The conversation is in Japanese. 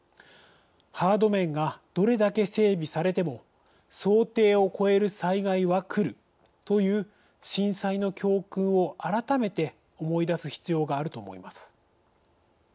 ハード面がどれだけ整備されても想定を超える災害は来るという震災の教訓を改めて思い出す必要があると思います。